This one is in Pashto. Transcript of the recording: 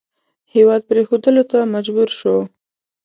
هېواد پرېښودلو ته مجبور شو.